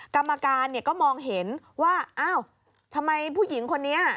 กรรมการก็มองเห็นว่าทำไมผู้หญิงคนนี้